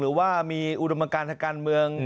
หรือว่ามีอุดมการทางการเมือง